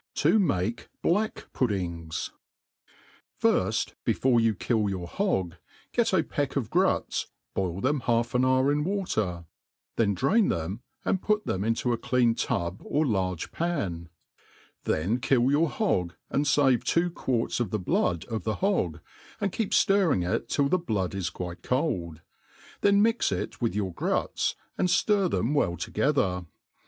T$ make Bhck^Puddings^ FIRST, before you kill your hog, get a peck of gnits, boil them half an hour in water ; then drain them, and put them' into a cle$n tub or large pan; then kill your hog, and fave two quarts of the blood of the hog, and keep flirriag k till the blood is quite cold ; then mix it with your gruts, and ftir them well together.